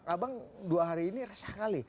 abang dua hari ini resah kali